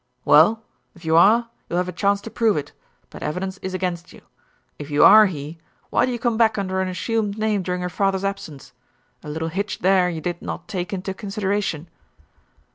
"Well, if you are, you'll have a chance to prove it, but evidence is against you. If you are he, why do you come back under an assumed name during your father's absence? A little hitch there you did not take into consideration."